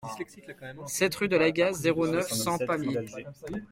sept rue de l'Agasse, zéro neuf, cent, Pamiers